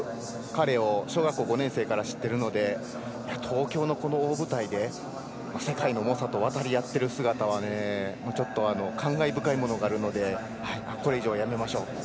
僕、彼を小学校５年生から知ってるので東京のこの大舞台で世界の猛者と渡り合ってる姿はちょっと感慨深いものがあるのではい、これ以上はやめましょう。